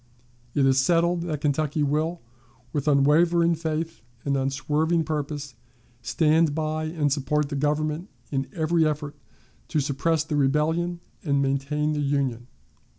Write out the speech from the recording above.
It is settled that Kentucky will, with unwavering faith and unswerving purpose, stand by and support the Government in every effort to suppress the rebellion and maintain the Union."